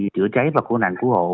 chữa cháy và khu nạn cứu hộ